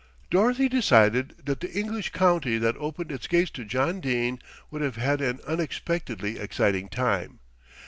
Dorothy decided that the English county that opened its gates to John Dene would have an unexpectedly exciting time.